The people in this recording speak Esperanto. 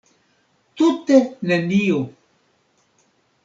Tute nenio!